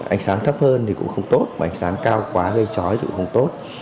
ánh sáng thấp hơn thì cũng không tốt ánh sáng cao quá gây chói thì cũng không tốt